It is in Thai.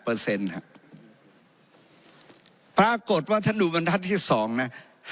ปรากฏว่าท่านดูบรรทัศน์ที่สองนะ